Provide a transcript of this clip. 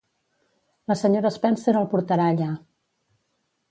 La Sra. Spencer el portarà allà.